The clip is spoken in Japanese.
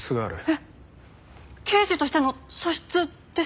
えっ刑事としての素質ですか？